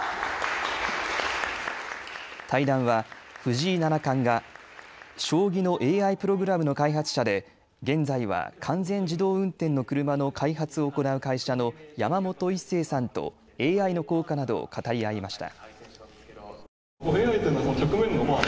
対談は藤井七冠が将棋のＡＩプログラムの開発者で現在は完全自動運転の車の開発を行う会社の山本一成さんとＡＩの効果などを語り合いました。